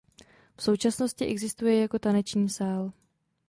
V současnosti existuje jako taneční sál.